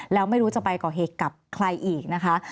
แล้วไม่รู้จะไปก่อเหตุกับใครอีกนะคะ